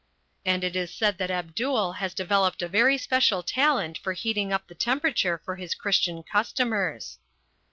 And it is said that Abdul has developed a very special talent for heating up the temperature for his Christian customers.